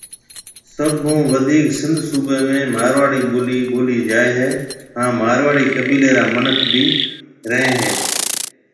سڀ هون وڌيڪ سنڌ صُوبَي ۾ مارواڙي ٻولي ٻولي جائي هيَ هانَ مارواڙي قيبيلي را مِنک بهيَ رهيَن هيَ۔